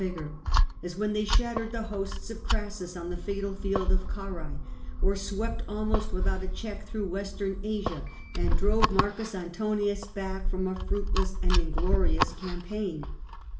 ZX3, 97 1 17* Trajan , 41 vigour, as when they shattered the hosts of Crassus on the fatal field of Carrhae, or swept almost without a check through western Asia and drove M. Antonius back from a fruitless and inglorious campaign.